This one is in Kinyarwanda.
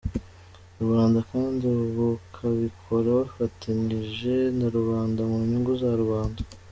rubanda kandi bukabikora bufatanyije na rubanda, mu nyungu za rubanda.